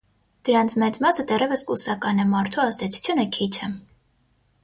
Դրանց մեծ մասը դեռևս կուսական է, մարդու ազդեցությունը քիչ է։